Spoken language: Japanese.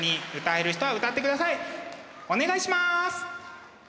お願いします！